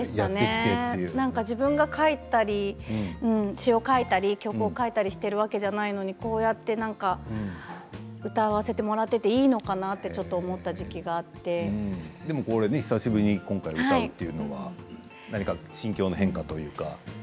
自分が歌詞を書いたり曲を書いたりしているわけではないのにこうやって歌わせてもらってていいのかなってちょっと久しぶりに今回歌うというのは何か心境の変化というか。